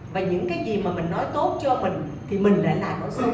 và những cái gì mà mình nói tốt cho mình thì mình lại lại nói xấu người ta